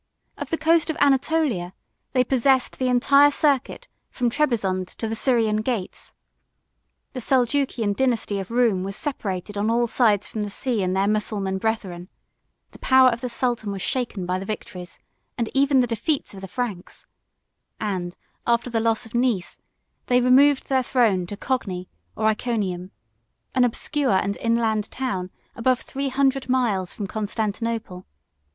Of the coast of Anatolia, they possessed the entire circuit from Trebizond to the Syrian gates. The Seljukian dynasty of Roum 6 was separated on all sides from the sea and their Mussulman brethren; the power of the sultan was shaken by the victories and even the defeats of the Franks; and after the loss of Nice, they removed their throne to Cogni or Iconium, an obscure and in land town above three hundred miles from Constantinople.